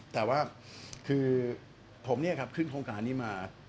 แต่ว่าคือผมเนี่ยครับขึ้นโครงการนี้มา